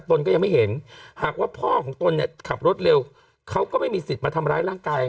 ตนก็ยังไม่เห็นหากว่าพ่อของตนเนี่ยขับรถเร็วเขาก็ไม่มีสิทธิ์มาทำร้ายร่างกาย